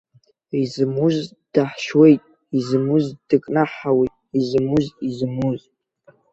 Изымуз даҳшьуеит, изымуз дыкнаҳҳауеит, изымуз, изымуз!